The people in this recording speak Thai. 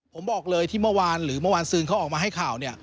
ผมบอกเลยที่เมื่อวานหรือเมื่อวานซืนเขาออกมาให้ข่าวเนี่ย